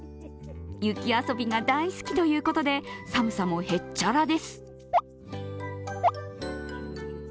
雪遊びが大好きということで、寒さもへっちゃらです。